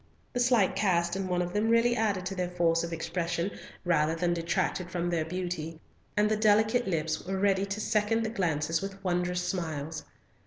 The slight cast in one of them really added to their force of expression rather than detracted from their beauty, and the delicate lips were ready to second the glances with wondrous smiles.